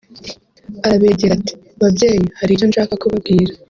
arabegera ati "Babyeyi hari icyo nshaka kubabwira